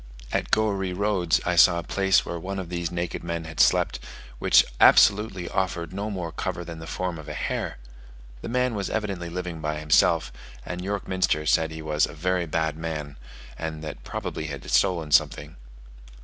At Goeree Roads I saw a place where one of these naked men had slept, which absolutely offered no more cover than the form of a hare. The man was evidently living by himself, and York Minster said he was "very bad man," and that probably he had stolen something.